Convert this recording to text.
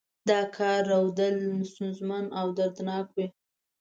دا کار رودل ستونزمن او دردناک کوي.